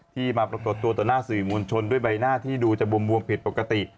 มาปรากฏตัวต่อหน้าสื่อมวลชนด้วยใบหน้าที่ดูจะบวมผิดปกติ